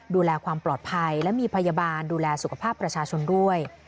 ดูแลความปลอดภัยและมีพยาบาลดูแลสุขภาพประชาชนด้วย